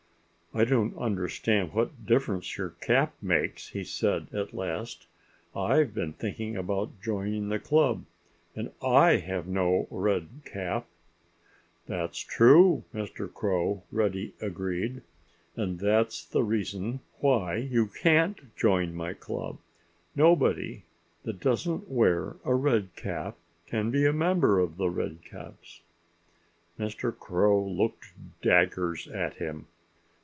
"I don't understand what difference your cap makes," he said at last. "I've been thinking about joining the club. And I have no red cap." "That's true, Mr. Crow," Reddy agreed. "And that's the reason why you can't join my club. Nobody that doesn't wear a red cap can be a member of The Redcaps." Mr. Crow looked daggers at him.